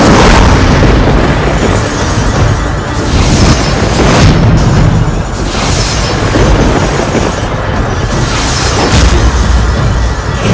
daripada grab for activity